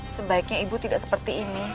sebaiknya ibu tidak seperti ini